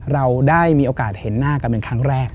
เราได้มีโอกาสเห็นหน้ากันเป็นครั้งแรก